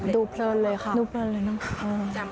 ดูเปลินเลยค่ะดูเปลินเลยนะ